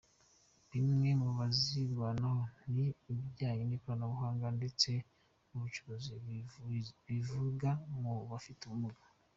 Bimwe mu bizibandwaho ni ibijyanye n’ikoranabuhanga ndetse n’inkuru zivuga ku bafite ubumuga.